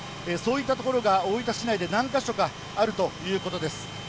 そういった所が大分市内で何カ所かあるということです。